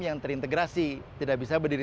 yang terintegrasi tidak bisa berdiri